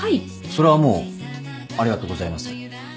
それはもうありがとうございます。